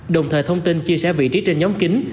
đồng thời thông tin chia sẻ vị trí trên nhóm kính